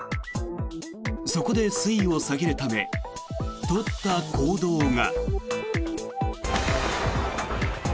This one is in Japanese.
そこで水位を下げるため取った行動が。